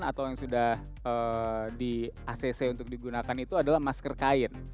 atau yang sudah di acc untuk digunakan itu adalah masker kain